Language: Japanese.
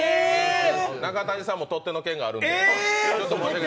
中谷さんも取っ手の件があるので申し訳ない。